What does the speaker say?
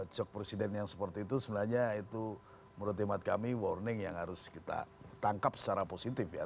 jok presiden yang seperti itu sebenarnya itu menurut hemat kami warning yang harus kita tangkap secara positif ya